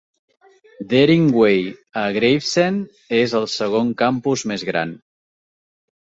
Dering Way, a Gravesend, es el segon campus més gran.